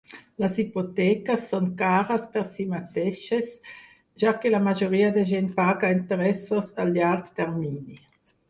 Les hipoteques són cares per si mateixes, ja que la majoria de gent paga interessos a llarg termini.